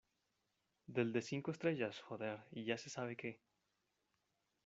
del de cinco estrellas, joder. y ya se sabe que